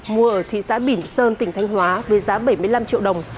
mua ở thị xã bỉm sơn tỉnh thanh hóa với giá bảy mươi năm triệu đồng